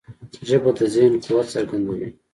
ژبه د ذهن قوت څرګندوي